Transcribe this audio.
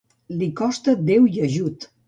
Li costa déu i ajut.